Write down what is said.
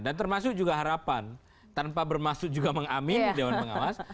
termasuk juga harapan tanpa bermaksud juga mengamil dewan pengawas